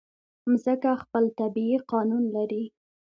مځکه خپل طبیعي قانون لري.